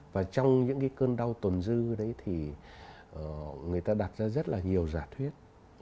và trong những cái cơn đau tồn dư đấy thì người ta đặt ra rất là nhiều giả thuyết